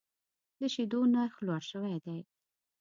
د شیدو نرخ لوړ شوی دی.